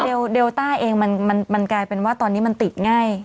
เลต้าเองมันกลายเป็นว่าตอนนี้มันติดง่าย